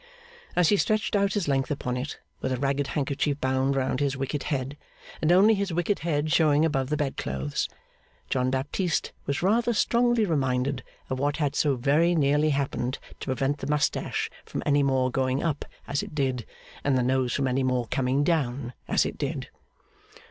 As he stretched out his length upon it, with a ragged handkerchief bound round his wicked head, and only his wicked head showing above the bedclothes, John Baptist was rather strongly reminded of what had so very nearly happened to prevent the moustache from any more going up as it did, and the nose from any more coming down as it did.